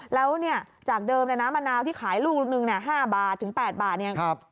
แล้วจากเดิมนะมะนาวที่ขายลูกหนึ่ง๕๘บาท